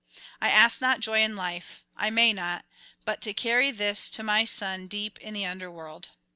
I ask not joy in life; I may not; but to carry this to my son deep in the under world.'